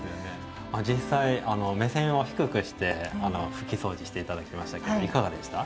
実際目線を低くして拭きそうじして頂きましたけどいかがでした？